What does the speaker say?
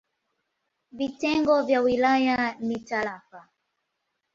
Vitengo vya wilaya ni tarafa.